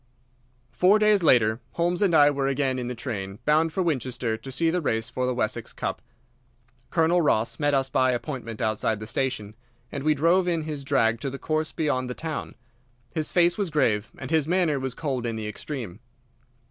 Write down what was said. Four days later Holmes and I were again in the train, bound for Winchester to see the race for the Wessex Cup. Colonel Ross met us by appointment outside the station, and we drove in his drag to the course beyond the town. His face was grave, and his manner was cold in the extreme.